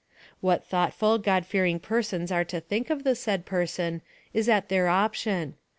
"What thoughtful, God fearing persons are to think of the said person, is at their option.